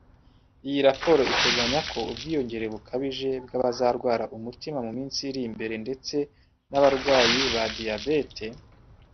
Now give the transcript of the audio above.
Iyi raporo iteganya ko ubwiyongere bukabije bw’abazarwara umutima mu minsi iri imbere ndetse n’abarwayi ba diyabete